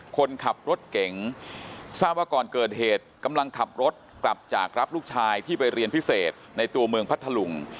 คนขับรถเก๋งทราบว่าก่อนเกิดเหตุกำลังขับรถกลับจากรับลูกชายที่ไปเรียนพิเศษในตัวเมืองพัทธลุง